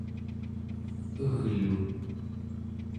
eglu